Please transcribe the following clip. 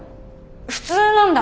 普通なんだ。